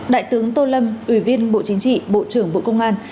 đại tướng tô lâm ủy viên bộ chính trị bộ trưởng bộ công an